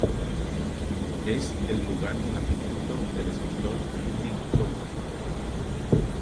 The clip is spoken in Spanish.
Es el lugar de nacimiento del escritor Ludwig Thoma.